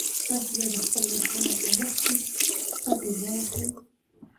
تاسي باید د خپلو مشرانو په مخ کې پټې مه وهئ.